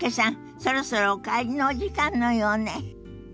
そろそろお帰りのお時間のようね。